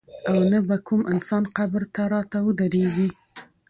او نه به کوم انسان قبر ته راته ودرېږي.